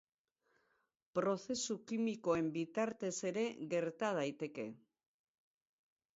Prozesu kimikoen bitartez ere gerta daiteke.